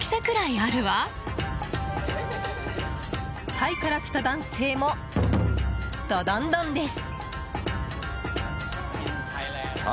タイから来た男性もドドンドンです。